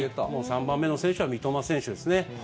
３番目の選手は三笘選手ですね。